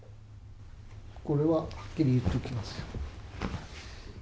これははっきり言っておきます。